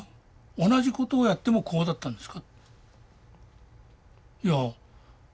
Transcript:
同じことをやってもこうだったんですか？」。